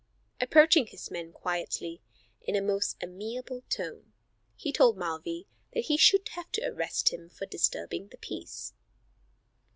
Approaching his man quietly, in a most amiable tone he told Mulvey that he should have to arrest him for disturbing the peace.